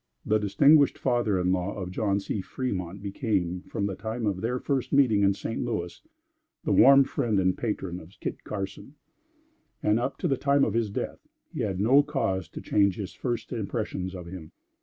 The distinguished father in law of John C. Fremont became, from the time of their first meeting in St. Louis, the warm friend and patron of Kit Carson; and, up to the time of his death, he had no cause to change his first impressions of him.